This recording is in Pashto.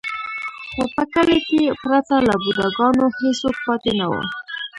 خو په کلي کې پرته له بوډا ګانو هېڅوک پاتې نه و.